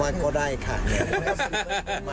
มันก็ดีที่สุดนะ